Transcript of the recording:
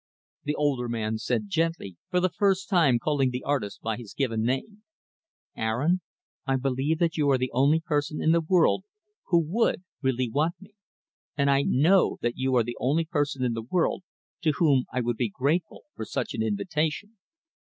The older man said gently, for the first time calling the artist by his given name, "Aaron, I believe that you are the only person in the world who would, really want me; and I know that you are the only person in the world to whom I would be grateful for such an invitation."